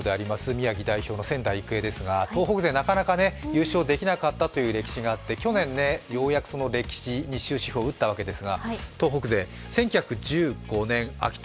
宮城代表の仙台育英ですが東北勢なかなか優勝できなかったという歴史があって、去年、ようやくその歴史に終止符を打ったわけです。